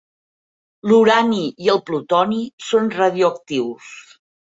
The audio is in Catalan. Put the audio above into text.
L'urani i el plutoni son radioactius.